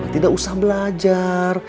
tidak usah belajar